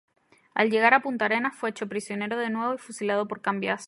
Al llegar a Punta Arenas fue hecho prisionero de nuevo y fusilado por Cambiaso.